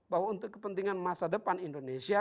bahwa untuk kepentingan masa depan indonesia